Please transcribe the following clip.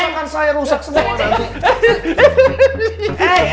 mana akan saya rusak semua nanti